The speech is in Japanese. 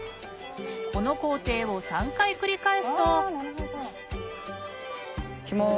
この工程を３回繰り返すといきます。